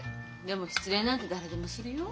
でも失恋なんて誰でもするよ。